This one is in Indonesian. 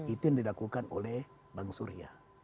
itu yang didakukan oleh bang surya